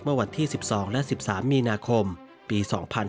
เมื่อวันที่๑๒และ๑๓มีปี๒๕๐๒